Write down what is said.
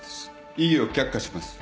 異議を却下します。